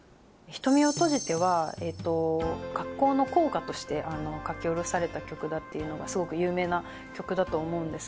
『瞳を閉じて』は学校の校歌として書き下ろされた曲だというのがすごく有名な曲だと思うんですけど。